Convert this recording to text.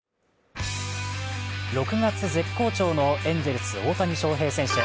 ６月絶好調のエンゼルス・大谷翔平選手。